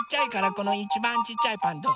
このいちばんちっちゃいパンどう？